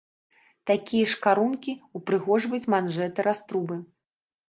Такія ж карункі ўпрыгожваюць манжэты-раструбы.